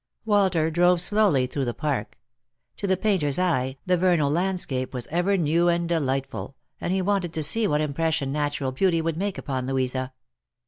Walter drove slowly through the park. To the painter's eye, the vernal landscape was ever new and delightful, and he wanted to see what impression natural beauty would make upon Louisa.